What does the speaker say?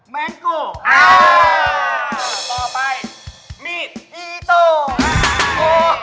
แต่ขออะไรนะสีเหลือง